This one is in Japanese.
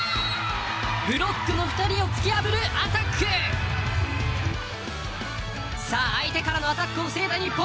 ブロックの２人を突き破るアタック、さあ相手からのアタックを防いだ日本。